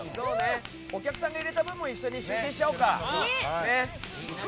お客さんが入れた分も一緒に集計しちゃおうか。